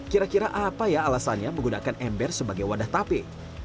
kira kira apa ya alasannya menggunakan ember sebagai wadah tape